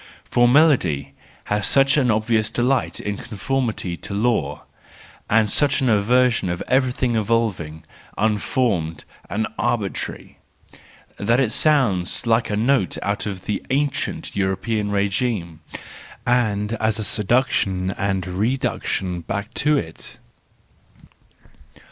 For melody has such an obvious delight in conformity to law, and such an aversion to everything evolving, unformed and arbitrary, that it sounds like a note out of the ancient European regime, and as a seduction and re duction back to it.